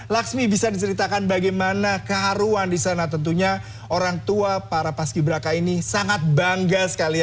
laksmi bisa diceritakan bagaimana keharuan disana tentunya orang tua para paski berakad ini sangat bangga sekali ya